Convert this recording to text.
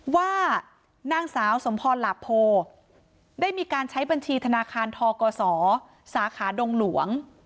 ว่านางสาวสมพรหลาโพได้มีการใช้บัญชีธนาคารทกศสาขาดงหลวง